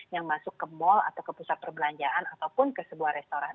yang masuk ke mall atau ke pusat perbelanjaan ataupun ke sebuah restoran